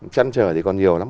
chăn trở thì còn nhiều lắm